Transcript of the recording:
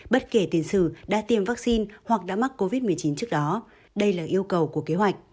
bất kể tiền sử đã tiêm vaccine hoặc đã mắc covid một mươi chín trước đó đây là yêu cầu của kế hoạch